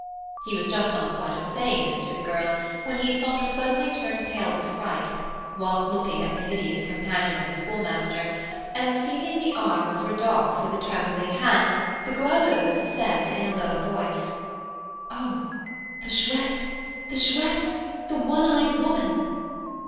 He was just on the point of saying this to the girl, when he saw her suddenly turn pale with fright, whilst looking at the hideous companion of the Schoolmaster, and seizing the arm of Rodolph with a trembling hand, the Goualeuse said, in a low voice: "Oh, the Chouette! the Chouette! the one eyed woman!"